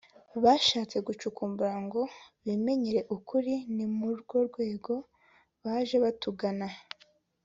bashatse gucukumbura ngo bimenyere ukuri ni mu urwo rwego baje batugana